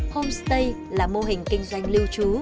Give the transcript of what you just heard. homestay là mô hình kinh doanh lưu trú